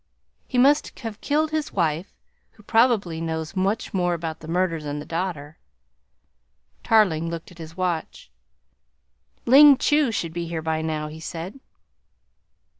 He must have killed his wife, who probably knows much more about the murder than the daughter." Tarling looked at his watch. "Ling Chu should be here by now," he said.